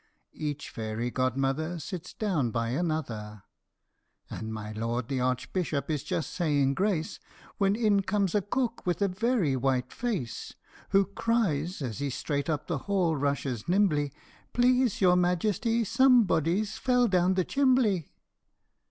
Each fairy godmother Sits down by another, And my lord the Archbishop is just saying grace, When in comes a cook, with a very white face, Who cries, as he straight up the hall rushes nimbly, " Please your Majesty, somebody 's fell down the chimbley